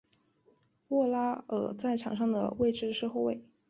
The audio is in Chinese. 沃拉尔在场上的位置是后卫。